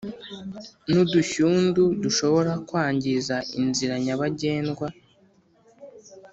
nudushyundu dushobora kwangiza inzira nyabagendwa.